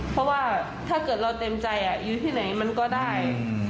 เพราะว่าถ้าเกิดเราเต็มใจอยู่ที่ไหนมันก็ได้